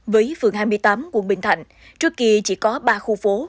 với phường hai mươi tám quận bình thạnh trước kia chỉ có ba khu phố